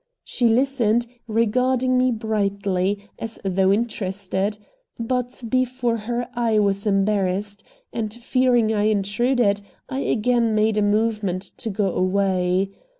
She listened, regarding me brightly, as though interested; but before her I was embarrassed, and, fearing I intruded, I again made a movement to go away.